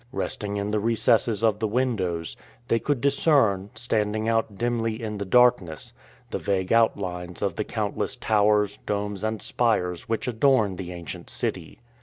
Resting in the recesses of the windows, they could discern, standing out dimly in the darkness, the vague outlines of the countless towers, domes, and spires which adorn the ancient city.